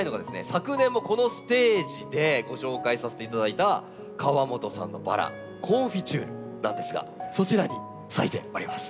昨年もこのステージでご紹介させていただいた河本さんのバラ「コンフィチュール」なんですがそちらに咲いておりますコンフィチュール。